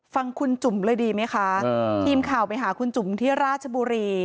ฟังคุณจุ๋มเลยดีไหมคะทีมข่าวไปหาคุณจุ๋มที่ราชบุรี